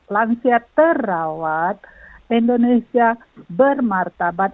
lansia terawat indonesia bermartabat